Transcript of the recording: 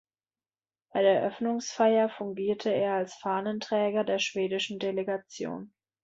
Bei der Eröffnungsfeier fungierte er als Fahnenträger der schwedischen Delegation.